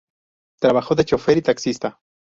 Trabajó de chófer y taxista.